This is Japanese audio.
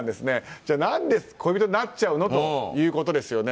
じゃあ何で、恋人になっちゃうのということですよね。